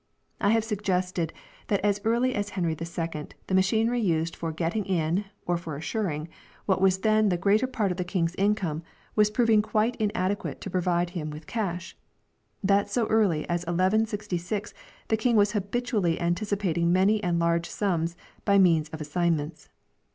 I have suggested l that as early as Henry II the machinery used for getting in, or for assuring, what was then the greater part of the King's income was proving quite inadequate to provide him with cash ; that so early as 1166 the King was habitually antici pating many and large sums by means of assignments.